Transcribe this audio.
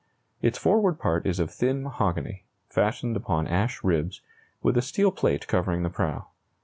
Its forward part is of thin mahogany, fastened upon ash ribs, with a steel plate covering the prow.